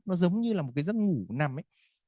nó giống như là một cái giấc ngủ nằm ấy